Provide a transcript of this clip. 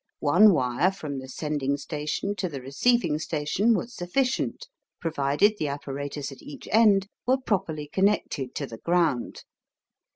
One wire from the sending station to the receiving station was sufficient, provided the apparatus at each end were properly connected to the ground.